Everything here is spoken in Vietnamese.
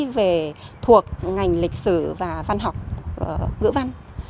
về thuộc ngành lịch sử và văn học ngữ văn